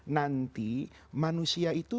nanti manusia itu